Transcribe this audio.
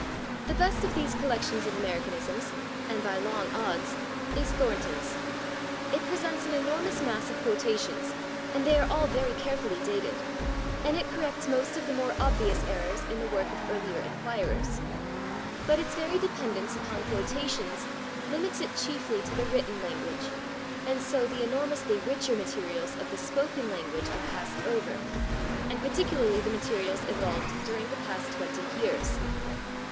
The best of these collections of Americanisms, and by long odds, is Thornton's. It presents an enormous mass of quotations, and they are all very carefully dated, and it corrects most of the more obvious errors in the work of earlier inquirers. But its very dependence upon quotations limits it chiefly to the written language, and so the enormously richer materials of the spoken language are passed over, and particularly the materials evolved during the past twenty years.